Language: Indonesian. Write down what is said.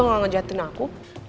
juga gak ngejahatin aku